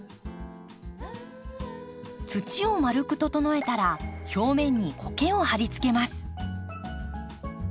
土を丸く整えたら表面にコケをはりつけます。